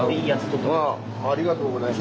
ありがとうございます。